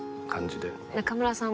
中村さん